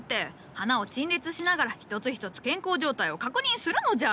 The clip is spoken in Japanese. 花を陳列しながら一つ一つ健康状態を確認するのじゃ！